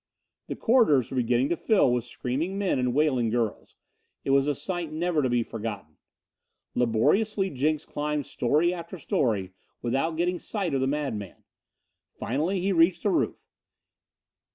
The corridors were beginning to fill with screaming men and wailing girls. It was a sight never to be forgotten. Laboriously Jenks climbed story after story without getting sight of the madman. Finally he reached the roof.